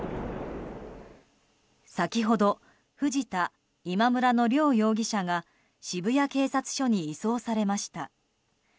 先ほど藤田、今村の両容疑者が渋谷警察署に移送されました。